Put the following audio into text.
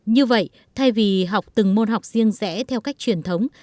như vậy thay vì học từng môn học riêng rẽ theo cách truyền thống